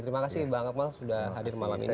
terima kasih bang akmal sudah hadir malam ini